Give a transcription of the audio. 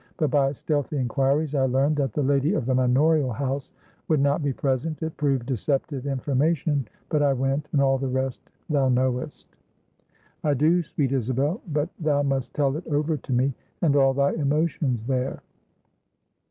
But by stealthy inquiries I learned, that the lady of the manorial house would not be present; it proved deceptive information; but I went; and all the rest thou knowest." "I do, sweet Isabel, but thou must tell it over to me; and all thy emotions there."